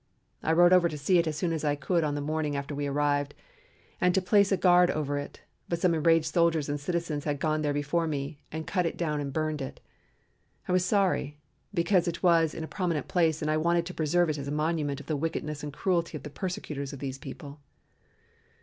I rode over to see it as soon as I could on the morning after we arrived, and to place a guard over it, but some enraged soldiers and citizens had gone there before me and cut it down and burnt it. I was sorry, because it was in a prominent place and I wanted it preserved as a monument of the wickedness and cruelty of the persecutors of these people.